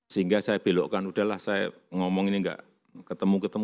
sehingga saya belokkan udahlah saya ngomong ini enggak ketemu ketemu